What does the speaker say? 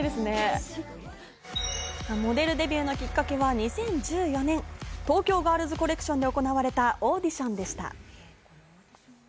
モデルデビューのきっかけが２０１４年、東京ガールズコレクションで行われたオーディションでした。